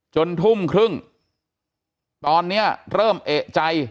ทุ่มครึ่งตอนนี้เริ่มเอกใจ